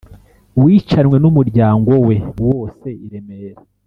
wicanwe n'umuryango we wose i remera;